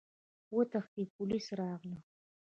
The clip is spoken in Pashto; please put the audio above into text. وتښتئ! پوليس راغلل!